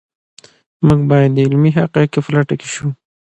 موږ باید د علمي حقایقو په لټه کې شو.